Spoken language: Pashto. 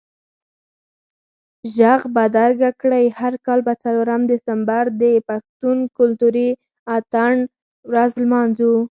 ږغ بدرګه کړئ، هر کال به څلورم دسمبر د پښتون کلتوري اتڼ ورځ لمانځو